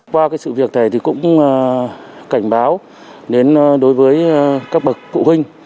qua cái sự việc này thì cũng cảnh báo đến đối với các bậc cụ huynh